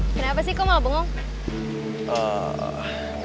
kenapa sih kok mau lo bengong